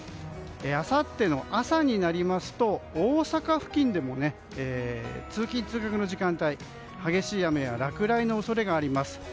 あさっての朝になりますと大阪付近でも通勤・通学の時間帯、激しい雨や落雷の恐れがあります。